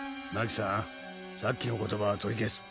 さっきの言葉は取り消す。